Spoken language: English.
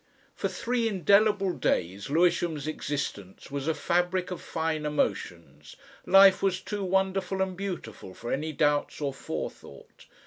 For three indelible days Lewisham's existence was a fabric of fine emotions, life was too wonderful and beautiful for any doubts or forethought.